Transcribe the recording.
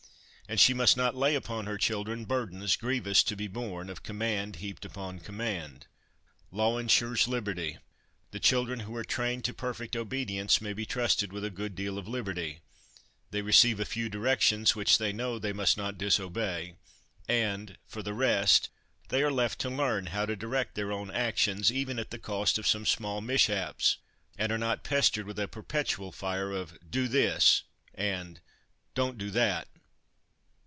And she must not lay upon her children burdens, grievous to be borne, of command heaped upon command. Law ensures Liberty. The children who are trained to perfect obedience may be trusted with a good deal of liberty : they receive a few directions which they know they must not disobey; and for the rest, they are left to learn how to direct their own actions, even at the cost of some small mishaps ; and are not pestered with a perpetual fire of ' Do this/ and 'Don't do that!'